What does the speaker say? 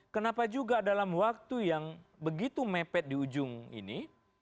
kenapa juga dalam waktu yang begitu mepet di ujung ini